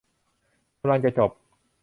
กำลังจะจบ